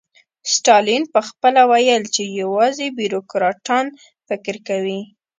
ستالین پخپله ویل چې یوازې بیروکراټان فکر کوي